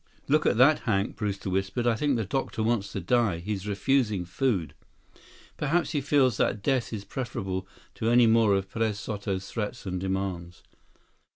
"Look at that, Hank," Brewster whispered. "I think the doctor wants to die. He's refusing food." "Perhaps he feels that death is preferable to any more of Perez Soto's threats and demands."